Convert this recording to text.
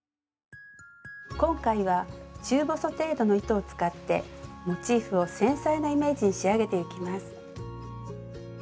今回は中細程度の糸を使ってモチーフを繊細なイメージに仕上げていきます。